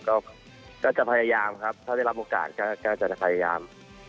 ก็จะพยายามครับถ้าได้รับโอกาสก็จะพยายาม